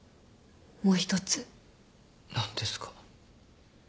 何ですか？